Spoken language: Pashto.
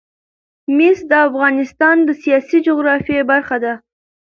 مس د افغانستان د سیاسي جغرافیه برخه ده.